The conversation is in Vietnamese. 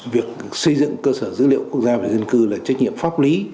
việc xây dựng cơ sở dữ liệu quốc gia về dân cư là trách nhiệm pháp lý